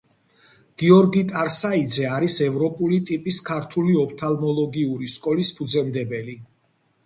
გიორგი ტარსაიძე არის ევროპული ტიპის ქართული ოფთალმოლოგიური სკოლის ფუძემდებელი.